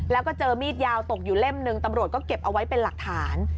แล้วก็เจอมีดยาวตกอยู่เล่มหนึ่งตำรวจก็เก็บเอาไว้เป็นหลักฐาน